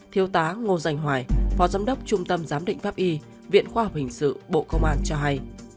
thiếu tá ngô doanh hoài phó giám đốc trung tâm giám định pháp y viện khoa học hình sự bộ công an cho hay